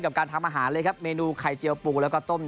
การทำอาหารเลยครับเมนูไข่เจียวปูแล้วก็ต้ม